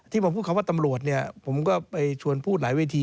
ผมพูดคำว่าตำรวจเนี่ยผมก็ไปชวนพูดหลายเวที